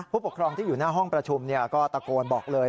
ผู้ปกครองที่อยู่หน้าห้องประชุมก็ตะโกนบอกเลย